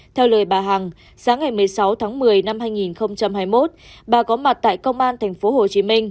theo lời bà hằng sáng ngày một mươi sáu tháng một mươi năm hai nghìn hai mươi một bà có mặt tại công an tp hcm